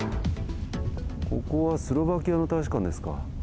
ここはスロバキアの大使館ですか。